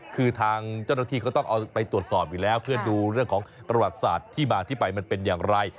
คือทางเจ้าหน้าที่เขาต้องเอาไปตรวจสอบอยู่แล้วเพื่อดูเรื่องของประวัติศาสตร์ที่มาที่ไปมันเป็นอย่างไร